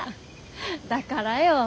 だからよ。